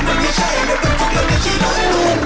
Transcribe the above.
มันไม่ใช่เรื่องบันทุนแล้วไม่ใช่เรื่องตุ๊ก